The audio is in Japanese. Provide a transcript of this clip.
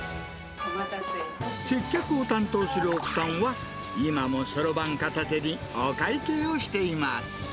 接客を担当する奥さんは、今もそろばん片手にお会計をしています。